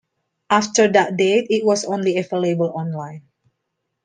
After that date, it was only available online.